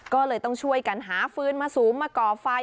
ก็เลยต้องช่วยกันหาฟืนมาสูงมาก่อไฟ